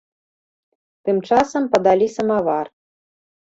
Тым часам падалі самавар.